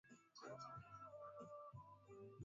kwamba mshukiwa yeyote ana anajulikana kwanza kama hana hatia